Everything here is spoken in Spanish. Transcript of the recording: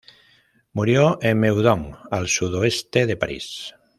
Murió en Meudon, al sudoeste de París.